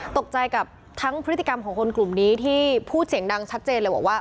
ตกใจกับทั้งพฤติกรรมของคนกลุ่มนี้ที่พูดเสียงดังชัดเจนเลยบอกว่า